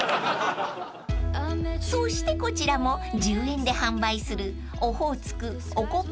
［そしてこちらも１０円で販売する］